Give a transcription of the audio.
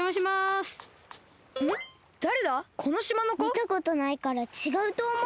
みたことないからちがうとおもう。